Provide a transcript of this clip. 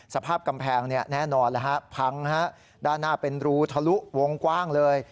สภาพกำแพงแน่นอนแล้วฮะพังด้านหน้าเป็นรูทะลุวงกว้างเลย